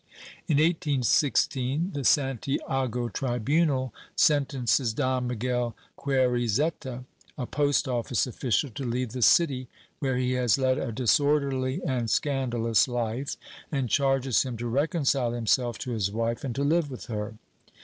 In 1816 the Santiago tribunal sentences Don Miguel Quereyzaeta, a post office official, to leave the city where he has led a disorderly and scandalous life, and charges him to reconcile himself to his wife and to live with her.